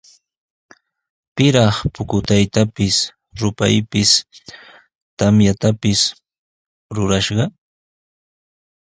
¿Pitaq pukutaypis, rupaypis, tamyatapis rurallashqa?